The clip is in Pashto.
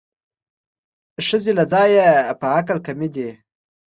ښځې له ځایه په عقل کمې دي